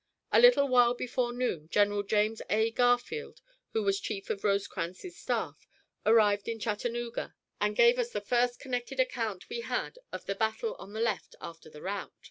A little while before noon General James A. Garfield, who was chief of Rosecrans's staff, arrived in Chattanooga and gave us the first connected account we had of the battle on the left after the rout.